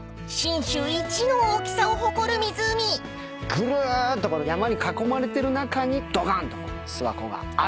ぐるっと山に囲まれてる中にどかんと諏訪湖があると。